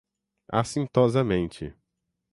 acintosamente